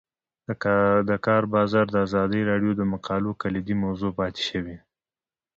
د کار بازار د ازادي راډیو د مقالو کلیدي موضوع پاتې شوی.